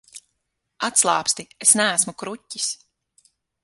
Atslābsti, es neesmu kruķis.